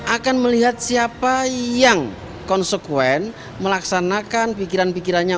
akan melihat siapa yang konsekuen melaksanakan pikiran pikirannya